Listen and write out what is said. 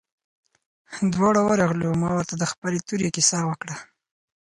دواړه ورغلو ما ورته د خپلې تورې كيسه وكړه.